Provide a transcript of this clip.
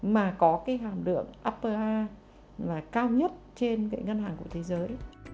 mà có hàm lượng upper a là cao nhất trên ngân hàng của thế giới